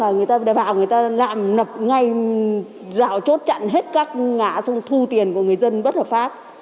người ta vào người ta làm ngay rào chốt chặn hết các ngã xong thu tiền của người dân bất hợp pháp